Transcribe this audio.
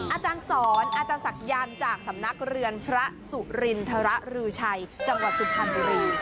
อาจารย์สอนอาจารย์ศักดิ์ยานจากสำนักเรือนพระสุรินทรรภ์รือชัยจังหวัดสุทธารีย์